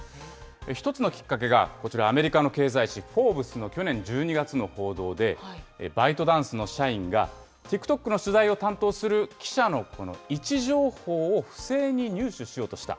一つのきっかけがこちら、アメリカの経済誌、フォーブスの去年１２月の報道で、バイトダンスの社員が、ＴｉｋＴｏｋの取材を担当する記者のこの位置情報を不正に入手しようとした。